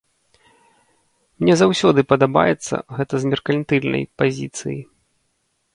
Мне заўсёды падабаецца гэта з меркантыльнай пазіцыі.